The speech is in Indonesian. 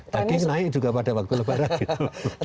paging naik juga pada waktu lebaran